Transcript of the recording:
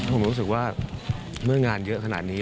ผมรู้สึกว่าเมื่องานเยอะขนาดนี้